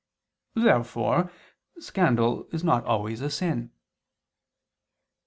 Therefore scandal is not always a sin.